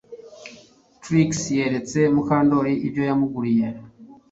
Trix yeretse Mukandoli ibyo yamuguriye